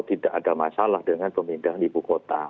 tidak ada masalah dengan pemindahan ibu kota